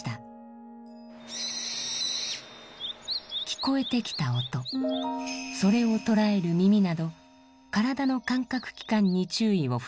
聞こえてきた音それを捉える耳など体の感覚器官に注意を振り向けます。